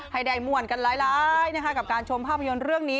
ให้ได้ม่วนกันหลายกับการชมภาพยนตร์เรื่องนี้